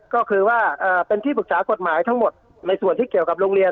ก็คือว่าเป็นที่ปรึกษากฎหมายทั้งหมดในส่วนที่เกี่ยวกับโรงเรียน